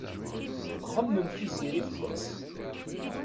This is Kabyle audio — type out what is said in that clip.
Txemmem Tiziri fell-as.